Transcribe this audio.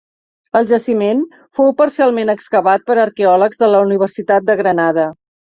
El jaciment fou parcialment excavat per arqueòlegs de la Universitat de Granada.